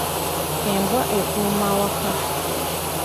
Embwa ekuuma awaka.